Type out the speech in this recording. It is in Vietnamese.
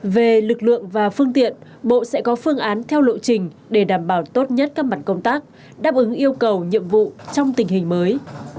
về lực lượng và phương tiện bộ sẽ có phương án theo lộ trình để đảm bảo tốt nhất các mặt công tác đáp ứng yêu cầu nhiệm vụ trong tình hình mới